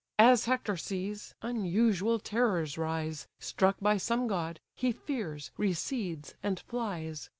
As Hector sees, unusual terrors rise, Struck by some god, he fears, recedes, and flies.